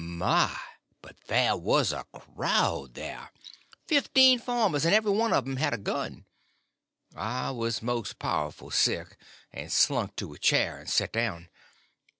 My, but there was a crowd there! Fifteen farmers, and every one of them had a gun. I was most powerful sick, and slunk to a chair and set down.